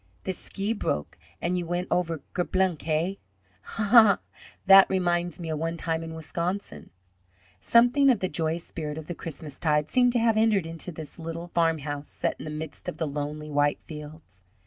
"The skee broke an' you went over kerplunk, hey? Haw, haw! That reminds me of one time in Wisconsin " Something of the joyous spirit of the Christmastide seemed to have entered into this little farmhouse set in the midst of the lonely, white fields.